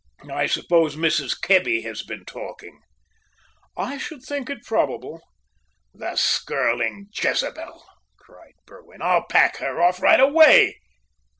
I suppose Mrs. Kebby has been talking?" "I should think it probable." "The skirling Jezebel!" cried Berwin. "I'll pack her off right away!"